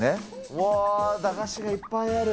わー、駄菓子がいっぱいある。